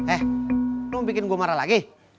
eh lo bikin gue marah lagi